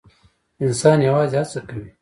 انسان یوازې هڅه کوي